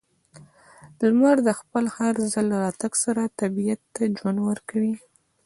•لمر د خپل هر ځل راتګ سره طبیعت ته ژوند ورکوي.